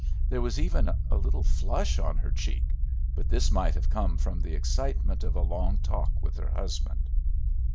There was even a little flush on her cheek, but this might have come from the excitement of a long talk with her husband.